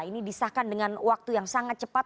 ini disahkan dengan waktu yang sangat cepat